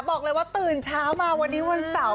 บอกเลยว่าตื่นเช้ามาวันนี้วันเสาร์